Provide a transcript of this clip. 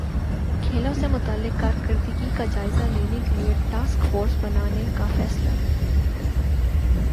کھیلوں سے متعلق کارکردگی کا جائزہ لینے کیلئے ٹاسک فورس بنانے کا فیصلہ